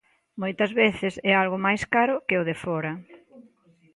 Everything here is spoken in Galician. Moitas veces é algo máis caro que o de fóra.